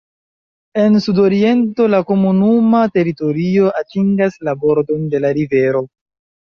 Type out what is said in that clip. En sudoriento la komunuma teritorio atingas la bordon de la rivero.